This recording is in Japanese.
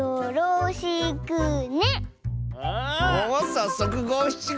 さっそくごしちご！